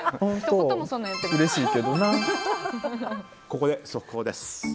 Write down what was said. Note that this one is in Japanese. ここで速報です。